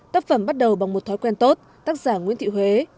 tác phẩm bắt đầu bằng một thói quen tốt tác giả nguyễn thị huế